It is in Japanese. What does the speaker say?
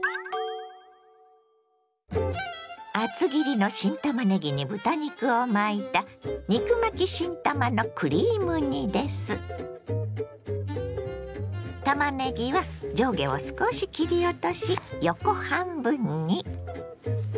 厚切りの新たまねぎに豚肉を巻いたたまねぎは上下を少し切り落とし横半分に。